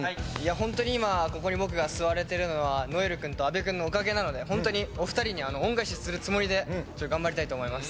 ホントに今ここに僕が座れてるのは如恵留君と阿部君のおかげなのでホントにお二人に恩返しするつもりで頑張りたいと思います。